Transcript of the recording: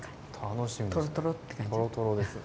楽しみですね。